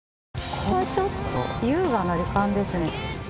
これはちょっと優雅な時間ですね。